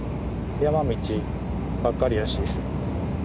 山道ばっかりやし。